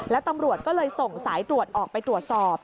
แล้วตำรวจก็เลยส่งสายตรวจออกไปตรวจสอบ